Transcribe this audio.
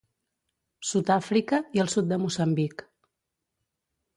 Sud-àfrica i el sud de Moçambic.